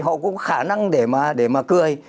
họ cũng có khả năng để mà cười